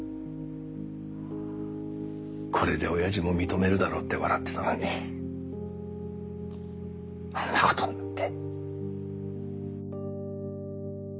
これでおやじも認めるだろうって笑ってたのにあんなことになって。